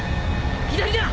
左だ！